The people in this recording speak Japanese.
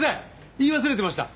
言い忘れてました。